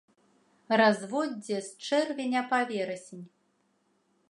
Разводдзе з чэрвеня па верасень.